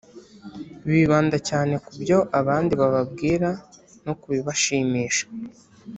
Bibanda cyane ku byo abandi bababwira no kubibashimisha